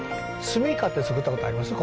住みかって作った事あります？